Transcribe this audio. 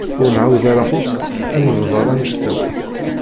Ur nεawed ara yakk ad d-nebder annect-en.